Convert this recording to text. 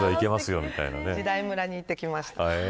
時代村に行ってきました。